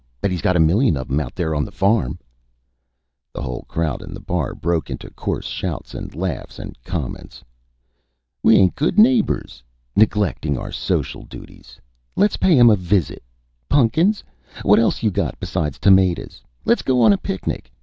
Bet he's got a million of 'em, out there on the farm!" The whole crowd in the bar broke into coarse shouts and laughs and comments. "... We ain't good neighbors neglecting our social duties. Let's pay 'em a visit.... Pun'kins! What else you got besides tamadas? Let's go on a picnic!...